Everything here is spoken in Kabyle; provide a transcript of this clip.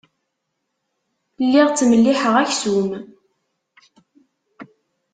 Lliɣ ttmelliḥeɣ aksum.